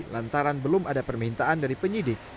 lantaran belum ada permintaan dari penyidik